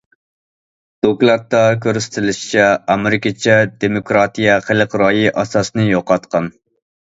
دوكلاتتا كۆرسىتىلىشىچە، ئامېرىكىچە دېموكراتىيە خەلق رايى ئاساسىنى يوقاتقان.